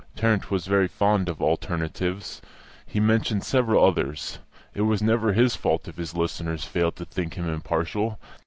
Tarrant was very fond of alternatives, and he mentioned several others; it was never his fault if his listeners failed to think him impartial.